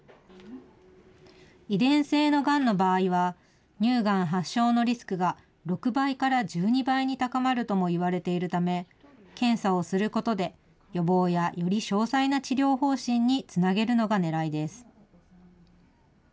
遺伝性のがんの場合は、乳がん発症のリスクが６倍から１２倍に高まるともいわれているため、検査をすることで、予防やより詳細な治療方針につなげるのがねらいです。